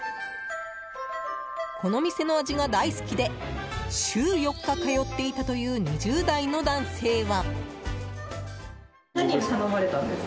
この店の味が大好きで週４日、通っていたという２０代の男性は。